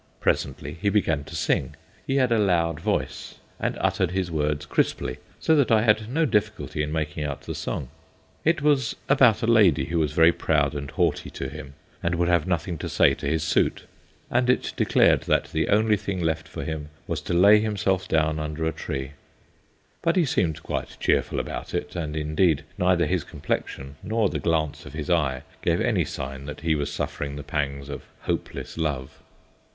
Presently he began to sing. He had a loud voice and uttered his words crisply, so that I had no difficulty in making out the song. It was about a lady who was very proud and haughty to him and would have nothing to say to his suit, and it declared that the only thing left for him was to lay himself down under a tree. But he seemed quite cheerful about it, and indeed neither his complexion nor the glance of his eye gave any sign that he was suffering the pangs of hopeless love.